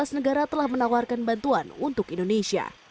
lima belas negara telah menawarkan bantuan untuk indonesia